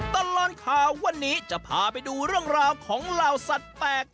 ตลอดข่าววันนี้จะพาไปดูเรื่องราวของเหล่าสัตว์แปลก